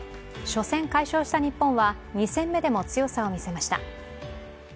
初戦、快勝した日本は２戦目でも強さを見せました。